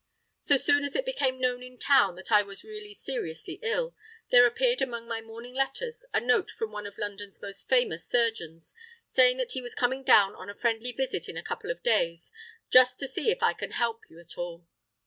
So soon as it became known in town that I was really seriously ill, there appeared among my morning letters a note from one of London's most famous surgeons saying that he was coming down on a friendly visit in a couple of days "just to see if I can help you at all."